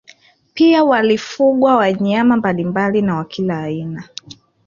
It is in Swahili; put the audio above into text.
Pia walifugwa wanyama mbalimbali na wa kila aina